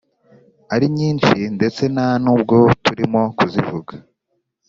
Ari nyinshi ndetse nta nubwo turimo kuzivuga